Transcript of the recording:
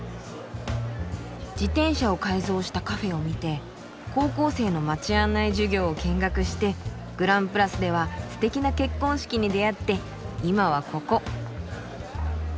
自転車を改造したカフェを見て高校生の街案内授業を見学してグランプラスではすてきな結婚式に出会って今はここ。